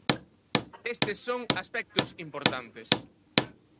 Estes son aspectos importantes.